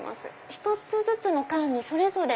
１つずつの缶にそれぞれ。